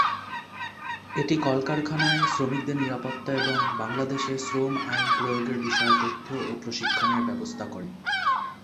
এটি কলকারখানায় শ্রমিকদের নিরাপত্তা এবং বাংলাদেশে শ্রম আইন প্রয়োগের বিষয়ে তথ্য ও প্রশিক্ষণের ব্যবস্থা করে।